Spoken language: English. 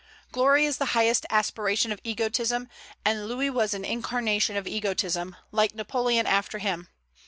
Glory is the highest aspiration of egotism, and Louis was an incarnation of egotism, like Napoleon after him.